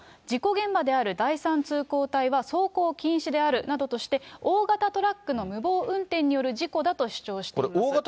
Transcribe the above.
事故現場である第３通行帯は走行禁止であるなどとして、大型トラックの無謀運転による事故だと主張しています。